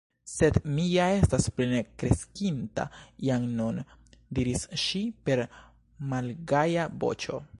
« Sed mi ja estas plene kreskinta jam nun" diris ŝi per malgaja voĉo.